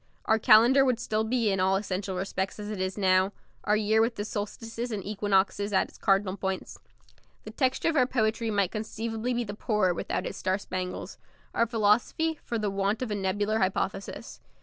Our calendar would still be in all essential respects as it is now; our year with the solstices and equinoxes as its cardinal points. The texture of our poetry might conceivably be the poorer without its star spangles; our philosophy, for the want of a nebular hypothesis.